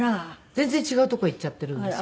全然違う所へ行っちゃってるんですよ。